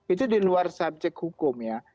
itu di luar subjek hukum ya